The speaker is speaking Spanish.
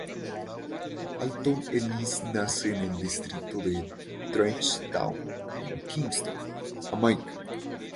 Alton Ellis nace en el distrito de "Trench Town" en Kingston, Jamaica.